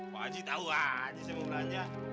pak haji tahu aja saya mau belanja